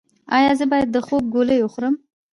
ایا زه باید د خوب ګولۍ وخورم؟